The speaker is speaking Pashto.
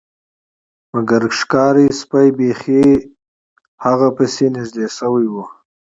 مګر ښکاري سپي بیخي د هغه په پسې نږدې شوي وو